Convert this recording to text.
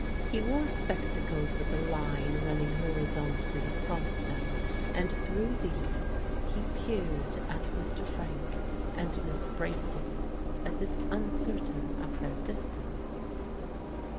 He wore spectacles with a line running horizontally across them, and through these he peered at Mr. Frank and Miss Bracy as if uncertain of their distance.